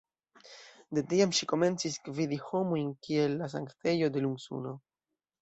De tiam ŝi komencis gvidi homojn kiel la sanktejo de "Lun-Suno".